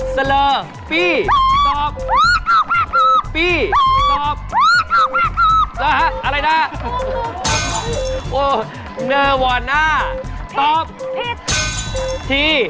สะเลอปี้ตอบปี้ตอบอะไรนะโอ้เนอร์วอร์น่าตอบผิดที่